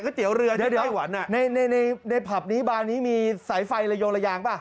ก๋วยเตี๋ยวเรือที่ไต้หวันในผับนี้บ้านนี้มีสายไฟระยโยระยางป่ะ